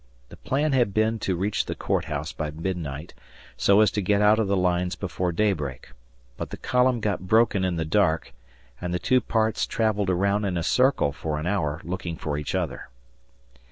The plan had been to reach the Court House by midnight so as to get out of the lines before daybreak, but the column got broken in the dark and the two parts travelled around in a circle for an hour looking for each other.